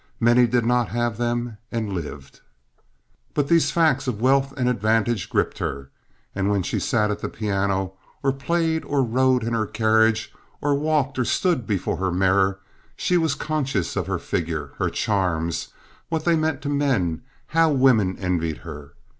Many did not have them and lived. But these facts of wealth and advantage gripped her; and when she sat at the piano and played or rode in her carriage or walked or stood before her mirror, she was conscious of her figure, her charms, what they meant to men, how women envied her.